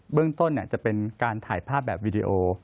เบื้องต้นเนี่ยจะเป็นการถ่ายภาพแบบวิดีโออ๋อ